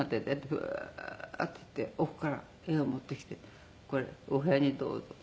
ブワーッて行って奥から絵を持ってきて「これお部屋にどうぞ」。